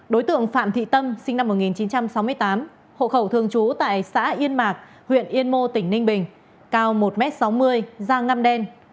đối tượng phạm thị tâm sinh năm một nghìn chín trăm sáu mươi tám hộ khẩu thường trú tại xã yên mạc huyện yên mô tỉnh ninh bình cao một m sáu mươi ra ngâm đen